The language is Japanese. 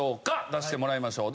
出してもらいましょう。